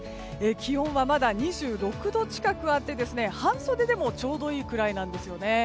気温はまだ２６度近くあって半袖でもちょうどいいくらいなんですよね。